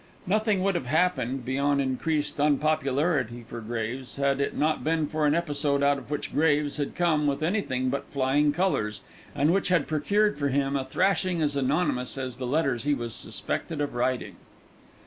Nothing would have happened, beyond increased unpopularity for Graves, had it not been for an episode out of which Graves had come with anything but flying colours, and which had procured for him a thrashing as anonymous as the letters he was suspected of writing.